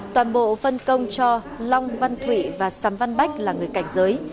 toàn bộ phân công cho long văn thủy và sầm văn bách là người cảnh giới